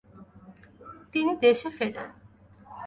তিনি দেশে ফেরেন ।